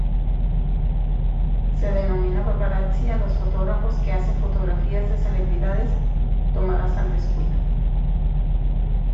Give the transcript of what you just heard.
Se denomina "paparazzi" a los fotógrafos que hacen fotografías de celebridades tomadas al descuido.